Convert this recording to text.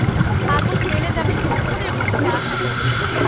আগুন বেড়ে যাবে কিছুক্ষণের মধ্যে আশাকরি।